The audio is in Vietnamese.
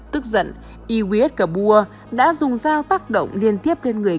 tức giận iwis kabua đã dùng dao tác động liên tiếp lên người